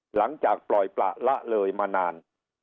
หลังจากปล่อยประละเลยมานาน